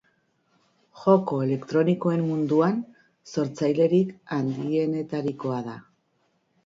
Joko elektronikoen munduan sortzailerik handienetarikoa da.